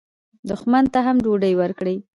دښمن ته هم ډوډۍ ورکړئ